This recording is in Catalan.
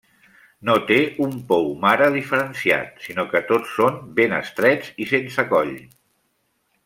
No té un pou mare diferenciat, sinó que tots són ben estrets i sense coll.